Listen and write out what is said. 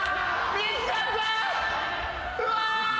うわ！